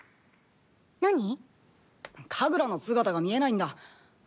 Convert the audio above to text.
何？かぐらの姿が見えないんだ。